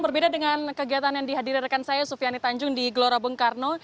berbeda dengan kegiatan yang dihadirkan saya sufiani tanjung di gelora bengkarno